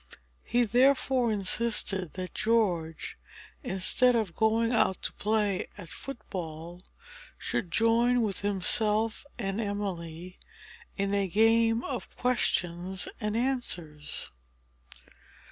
He therefore insisted that George, instead of going out to play at foot ball, should join with himself and Emily in a game of questions and answers.